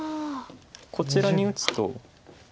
こちらに打つと。